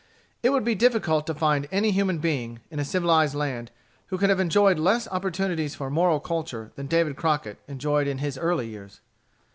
It would be difficult to find any human being, in a civilized land, who can have enjoyed less opportunities for moral culture than David Crockett enjoyed in his early years.